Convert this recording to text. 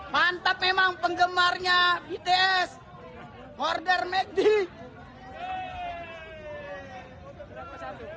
mantap memang penggemarnya bts order make it